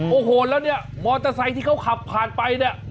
โอ้โหแล้วเนี่ยมอเตอร์ไซค์ที่เขาขับผ่านไปเนี่ย